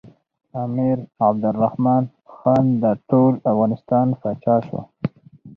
امیر عبدالرحمن خان د ټول افغانستان پاچا شو.